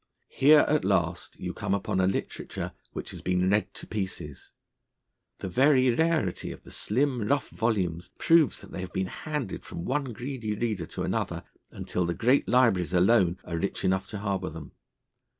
Here at last you come upon a literature, which has been read to pieces. The very rarity of the slim, rough volumes, proves that they have been handed from one greedy reader to another, until the great libraries alone are rich enough to harbour them.